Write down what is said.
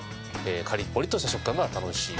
カリッポリッとした食感が楽しい。